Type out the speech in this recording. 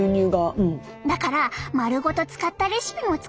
だから丸ごと使ったレシピも作ったよ！